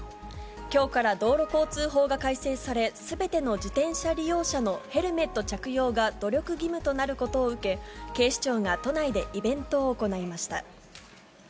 きょうから道路交通法が改正され、すべての自転車利用者のヘルメット着用が努力義務となることを受け、警視庁が都内でイベントを行いました。